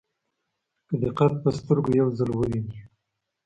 که دې قد په سترګو یو ځل وویني.